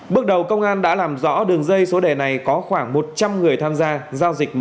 bước đầu công an đã làm rõ đường dây số đề này có khoảng một trăm linh người tham gia giao dịch